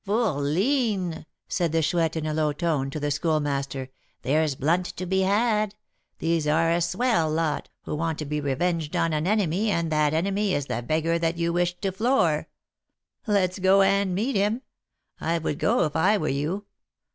"Fourline," said the Chouette, in a low tone, to the Schoolmaster, "there's 'blunt' to be had; these are a 'swell' lot, who want to be revenged on an enemy, and that enemy is the beggar that you wished to 'floor.' Let's go and meet him. I would go, if I were you.